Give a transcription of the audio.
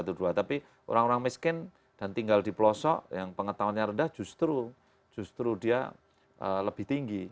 tapi orang orang miskin dan tinggal di pelosok yang pengetahuannya rendah justru dia lebih tinggi